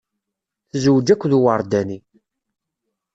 Tezwej akked uwerdani.